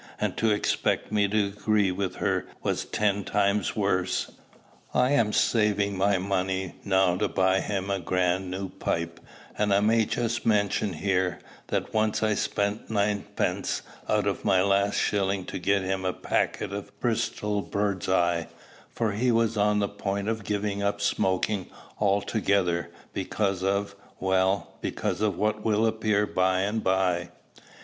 and to expect me to agree with her was ten times worse. I am saving my money now to buy him a grand new pipe; and I may just mention here, that once I spent ninepence out of my last shilling to get him a packet of Bristol bird's eye, for he was on the point of giving up smoking altogether because of well, because of what will appear by and by.